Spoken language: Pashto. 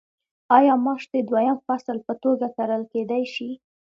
آیا ماش د دویم فصل په توګه کرل کیدی شي؟